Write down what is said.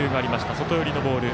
外寄りのボール。